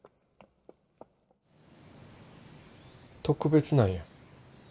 特別なんや。